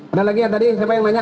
ada lagi ya tadi siapa yang nanya